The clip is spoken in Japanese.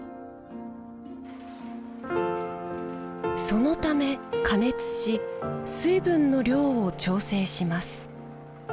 そのため加熱し水分の量を調整します。